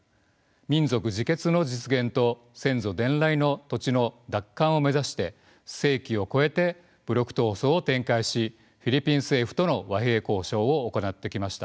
民族自決の実現と先祖伝来の土地の奪還を目指して世紀を超えて武力闘争を展開しフィリピン政府との和平交渉を行ってきました。